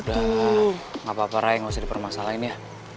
udah gapapa ray gak usah dipermasalahin ya